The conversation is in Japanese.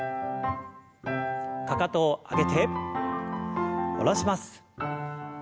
かかとを上げて下ろします。